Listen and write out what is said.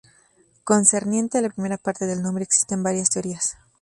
Concerniente a la primera parte del nombre existen varias teorías.